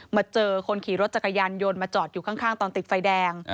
มาเจอคนขี่รถจักรยานยนต์มาจอดอยู่ข้างตอนติดไฟแดง